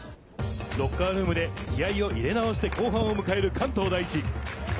ロッカールームで気合いを入れ直して後半を迎える関東第一。